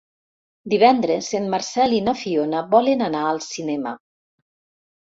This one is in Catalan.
Divendres en Marcel i na Fiona volen anar al cinema.